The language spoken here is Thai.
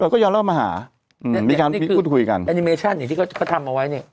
ก็ยอมรับมาหาอืมมีการพูดคุยกันแอนิเมชั่นอย่างที่เขาทำเอาไว้เนี่ย